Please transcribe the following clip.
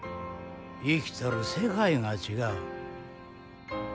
生きとる世界が違う。